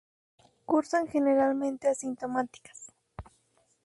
Cursan generalmente asintomáticas.